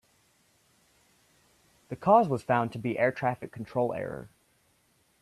The cause was found to be Air Traffic Control error.